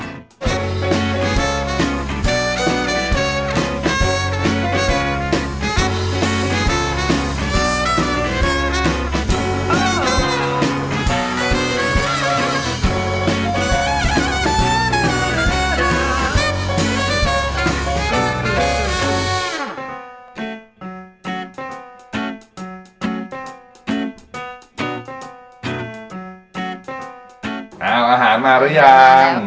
อ่าอาหารมาหรือยังมาแล้วมาแล้วอาหารตัวนี้